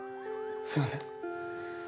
すいません。